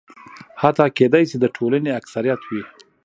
حتی کېدای شي د ټولنې اکثریت وي.